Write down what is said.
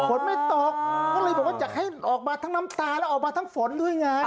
ฝนไม่ตกก็เลยบอกว่าอยากให้ออกมาทั้งน้ำตาแล้วออกมาทั้งฝนด้วยไง